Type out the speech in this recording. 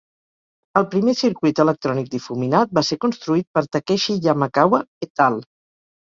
El primer circuit electrònic difuminat va ser construït per Takeshi Yamakawa "et al.